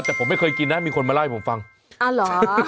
แต่ผมไม่เคยกินนะมีคนมาเล่าให้ผมฟังอ่าเหรอ